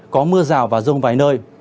có mưa rào và rông vài nơi